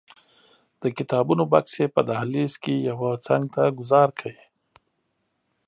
د کتابونو بکس یې په دهلیز کې یوه څنګ ته ګوزار کړ.